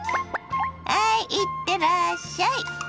ハイいってらっしゃい。